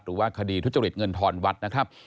หรือว่าคดีทุจริตเงินทอนวัดนะครับ